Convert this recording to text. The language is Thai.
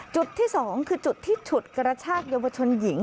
จุดที่๒คือจุดที่ฉุดกระชากเยาวชนหญิง